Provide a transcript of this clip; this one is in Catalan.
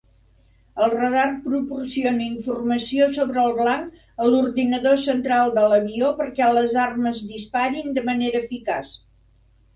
El radar proporciona informació sobre el blanc a l'ordinador central de l'avió perquè les armes disparin de manera eficaç.